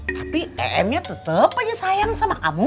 tapi emnya tetep aja sayang sama kamu